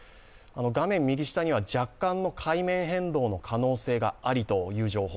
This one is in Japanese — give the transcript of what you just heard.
画面右下には若干の海面変動の可能性があるとの情報。